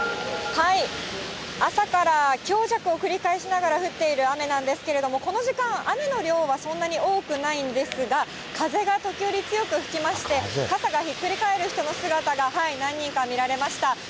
朝から強弱を繰り返しながら降っている雨なんですけれども、この時間、雨の量はそんなに多くないんですが、風が時折強く吹きまして、傘がひっくり返る人の姿が何人か見られました。